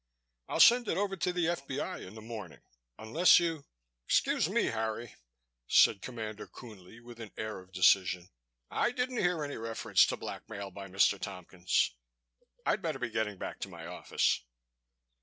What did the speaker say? I'll send it over to the F.B.I. in the morning, unless you " "Excuse me, Harry," said Commander Coonley with an air of decision. "I didn't hear any reference to blackmail by Mr. Tompkins. I'd better be getting back to my office."